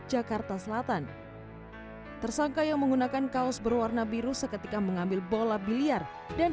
jakarta selatan tersangka yang menggunakan kaos berwarna biru seketika mengambil bola biliar dan